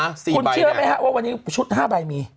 คุณเชื่อไหมฮะว่าวันนี้ชุด๕ใบมี